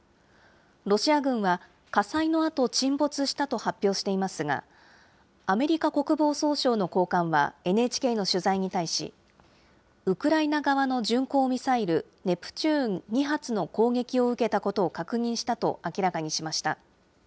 ロシア軍は火災のあと沈没したと発表していますが、アメリカ国防総省の高官はＮＨＫの取材に対し、ウクライナ側の巡航ミサイル、ネプチューン２発の攻撃を受けたことを確認したと明らかにしました。